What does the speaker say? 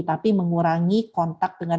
tapi mengurangi kontak dengan